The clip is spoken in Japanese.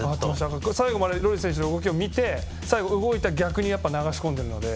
最後までロリス選手の動きを見て最後、動いた逆に流し込んでいるので。